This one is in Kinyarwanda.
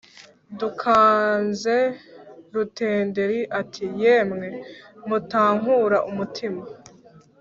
Dukanze rutenderi ati yemwe mutankura umutima